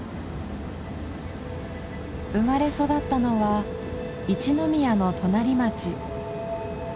生まれ育ったのは一宮の隣町。